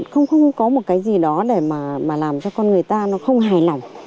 không có một cái gì đó để mà làm cho con người ta nó không hài lòng